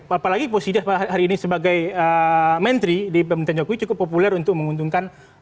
apalagi posisi hari ini sebagai menteri di pemerintahan jokowi cukup populer untuk menguntungkan